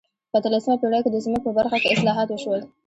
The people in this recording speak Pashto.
په اتلسمه پېړۍ کې د ځمکو په برخه کې اصلاحات وشول.